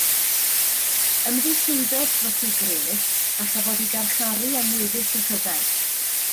Ymddiswyddodd dros ei gred a chafodd ei garcharu am weddill y rhyfel